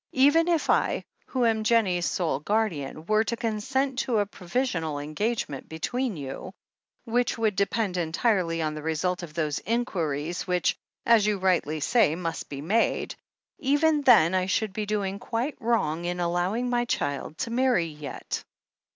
"Even if I, who am Jennie's sole guardian, were to consent to a provisional engage ment between you — ^which would depend entirely on the result of those inquiries which, as you rightly say, must be made— even then I should be doing quite wrong in allowing my child to marry yet.